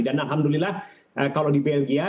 dan alhamdulillah kalau di belgia